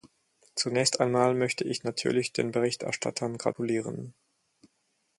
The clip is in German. Zunächst einmal möchte ich natürlich den Berichterstattern gratulieren.